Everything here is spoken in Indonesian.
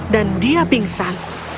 dan dia pingsan